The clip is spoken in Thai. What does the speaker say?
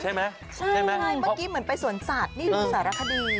ใช่ไหมใช่ไหมใช่เมื่อกี้เหมือนไปสวนสัตว์นี่ดูสารคดี